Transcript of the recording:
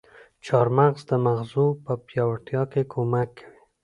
چارمغز د مغزو په پياوړتيا کې کمک کوي.